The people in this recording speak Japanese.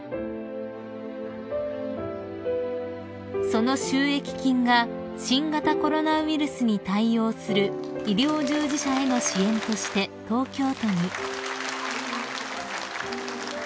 ［その収益金が新型コロナウイルスに対応する医療従事者への支援として東京都に］